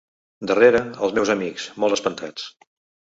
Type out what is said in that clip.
Darrere, els meus amics, molt espantats.